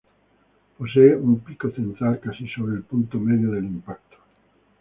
Posee un pico central casi sobre el punto medio del impacto.